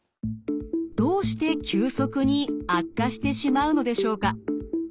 どうして急速に悪化してしまうのでしょうか。